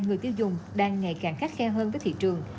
người tiêu dùng đang ngày càng khắc khe hơn với thị trường